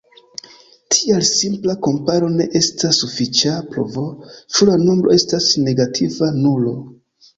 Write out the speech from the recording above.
Tial simpla komparo ne estas sufiĉa provo, ĉu la nombro estas negativa nulo.